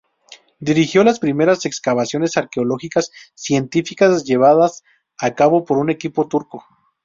Dirigió las primeras excavaciones arqueológicas científicas llevadas a cabo por un equipo turco.